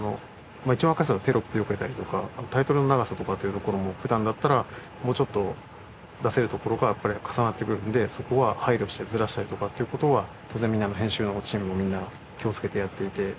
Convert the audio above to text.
一番わかりやすいのはテロップよけたりとかタイトルの長さとかっていうところも普段だったらもうちょっと出せるところがやっぱり重なってくるのでそこは配慮してずらしたりとかっていう事は当然編集のチームもみんな気をつけてやっていて。